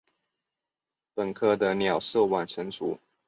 本科的鸟是晚成雏。